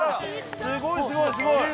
すごいすごいすごい！